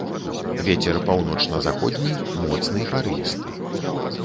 Вецер паўночна-заходні моцны парывісты.